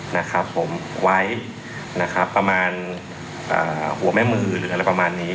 นะครับผมไว้นะครับประมาณอ่าหัวแม่มือหรืออะไรประมาณนี้